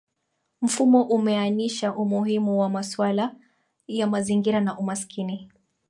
Mfumo umeainisha umuhimu wa masuala ya mazingira na umaskini